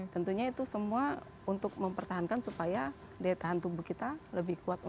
tentunya itu semua untuk mempertahankan supaya daya tahan tubuh kita lebih kuat lagi